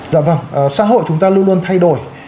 dạ vâng xã hội chúng ta luôn luôn thay đổi